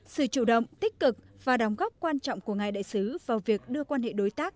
sự chủ động tích cực và đóng góp quan trọng của ngài đại sứ vào việc đưa quan hệ đối tác